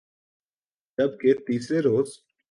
جب کہ تیسرے روز